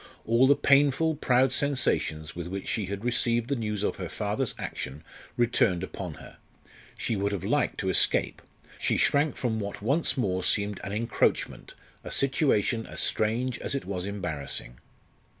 All the painful, proud sensations with which she had received the news of her father's action returned upon her; she would have liked to escape; she shrank from what once more seemed an encroachment, a situation as strange as it was embarrassing.